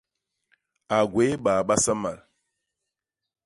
A gwéé baa basamal.